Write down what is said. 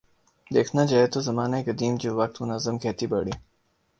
دیکھنا جائے تو زمانہ قدیم جو وقت منظم کھیتی باڑی